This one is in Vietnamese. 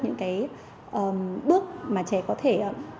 những cái bước mà trẻ có thể